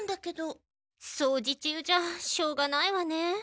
そうじ中じゃしょうがないわね。